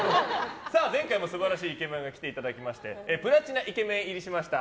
前回も素晴らしいイケメンが来てくださいましてプラチナイケメン入りしました。